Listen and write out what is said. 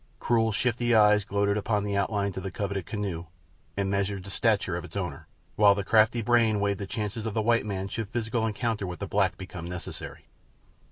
Cruel, shifty eyes gloated upon the outlines of the coveted canoe, and measured the stature of its owner, while the crafty brain weighed the chances of the white man should physical encounter with the black become necessary.